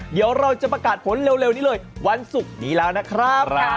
เดี๋ยวเราจะประกาศผลเร็วนี้เลยวันศุกร์นี้แล้วนะครับ